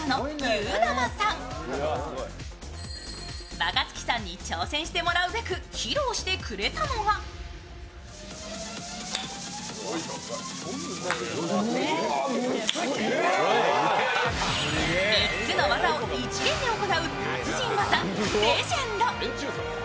若槻さんに挑戦してもらうべく披露してくれたのは３つの技を一連で行う達人技レジェンド。